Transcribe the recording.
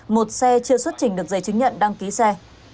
một xe chưa xuất trình được giấy chứng nhận đăng ký xe